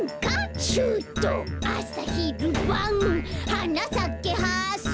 「はなさけハス」